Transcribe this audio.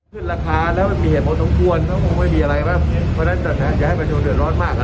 ขึ้นราคาแล้วมันมีเหตุผลสมควรเพราะว่ามันมันไม่มีอะไรหรอ